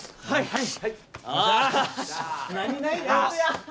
はい！